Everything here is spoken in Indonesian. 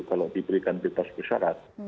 kalau diberikan bebas persyarat